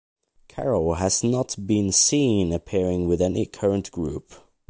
Caro has not been seen appearing with any current group.